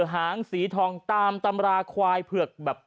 หางสีทองตามตำราขวายเพลือก